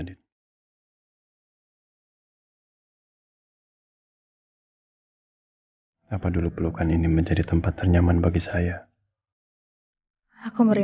di aura maju dengan kegiatan tanggal q dan m yang mudah ditengah